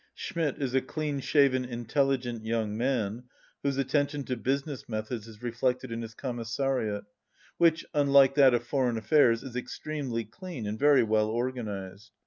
Schmidt is a clean shaven, intelligent young man, whose attention to business methods is reflected in his Commissariat, which, unlike that of For eign Affairs, is extremely clean and very well organized.